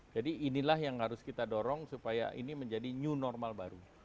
jadi inilah yang harus kita dorong supaya ini menjadi new normal baru